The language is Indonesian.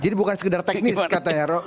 jadi bukan sekedar teknis katanya